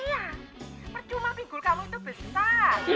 percuma pinggul kamu itu besar